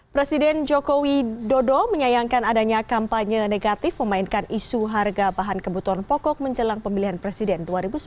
presiden joko widodo menyayangkan adanya kampanye negatif memainkan isu harga bahan kebutuhan pokok menjelang pemilihan presiden dua ribu sembilan belas